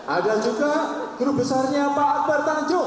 ada juga grup besarnya pak akbar tanjung